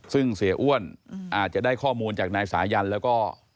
ซึ่งเสียอ้วนอาจจะได้ข้อมูลจากนายสายันแล้วก็